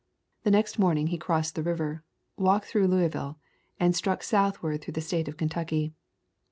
The next morning he crossed the river, walked through Louisville, and struck southward through the State of Ken tucky.